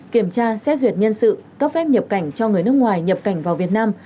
kiểm tra xét duyệt nhân sự cấp phép nhập cảnh cho người nước ngoài nhập cảnh vào việt nam